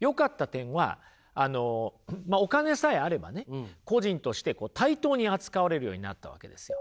よかった点はまあお金さえあればね個人として対等に扱われるようになったわけですよ。